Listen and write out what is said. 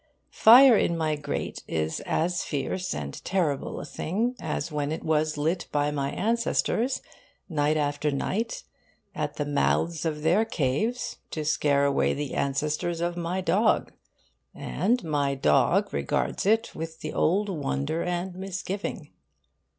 Fire in my grate is as fierce and terrible a thing as when it was lit by my ancestors, night after night, at the mouths of their caves, to scare away the ancestors of my dog. And my dog regards it with the old wonder and misgiving.